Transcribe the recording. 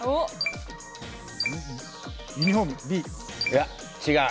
いや、違う。